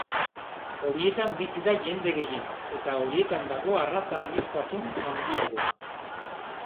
Horietan bizi da jende gehien, eta horietan dago arraza aniztasun handiagoa.